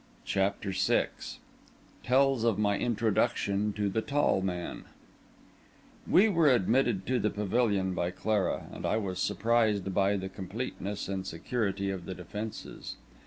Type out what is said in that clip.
CHAPTER VI TELLS OF MY INTRODUCTION TO THE TALL MAN We were admitted to the pavilion by Clara, and I was surprised by the completeness and security of the defences.